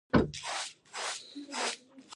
په هغه نظامي کمپ کې وخت تېرول ډېر ستونزمن وو